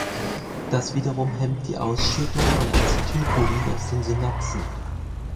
Das wiederum hemmt die Ausschüttung von Acetylcholin aus den Synapsen.